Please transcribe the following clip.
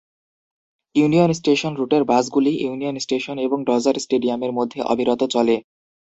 Union Station রুটের বাসগুলি Union Station এবং ডজার স্টেডিয়ামের মধ্যে অবিরত চলে।